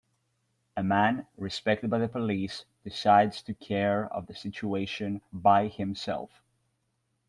A man, respected by the police, decides to care of the situation by himself.